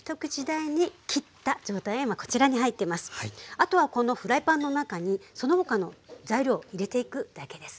あとはこのフライパンの中にその他の材料を入れていくだけです。